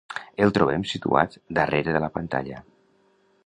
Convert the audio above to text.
El trobem situat darrere de la pantalla.